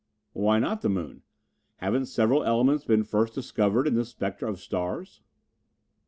"Why not the moon? Haven't several elements been first discovered in the spectra of stars?"